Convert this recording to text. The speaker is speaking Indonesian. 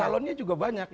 calonnya juga banyak